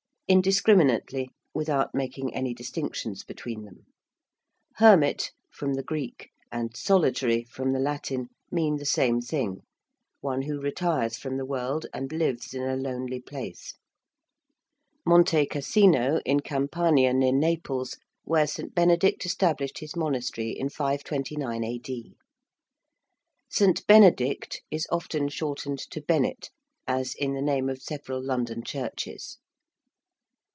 ~Indiscriminately~: without making any distinctions between them. ~hermit~, from the Greek, and ~solitary~, from the Latin, mean the same thing one who retires from the world and lives in a lonely place. ~Monte Casino~, in Campania, near Naples, where St. Benedict established his monastery in 529 A.D. ~St. Benedict~ is often shortened to Benet, as in the name of several London churches.